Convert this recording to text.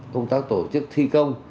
công tác tổ chức thi công